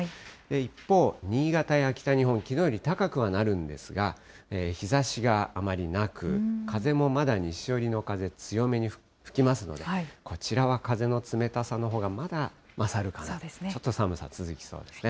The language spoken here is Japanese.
一方、新潟や北日本、きのうより高くはなるんですが、日ざしがあまりなく、風もまだ西寄りの風、強めに吹きますので、こちらは風の冷たさのほうが、まだ勝るかな、ちょっと寒さ続きそうですね。